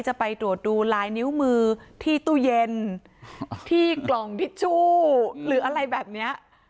จะไปตรวจดูลายนิ้วมือที่ตู้เย็นที่กล่องทิชชู่หรืออะไรแบบเนี้ย